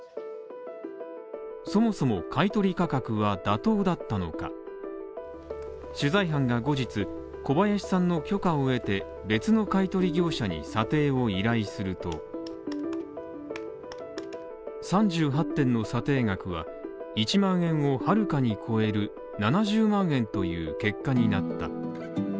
そもそも、買い取り価格は妥当だったのか取材班が後日、小林さんの許可を得て、別の買取業者に査定を依頼すると３８点の査定額は１万円をはるかに超える７０万円という結果になった。